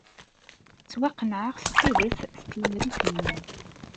Ttwaqennɛeɣ s tidet s tlemrit-nnem.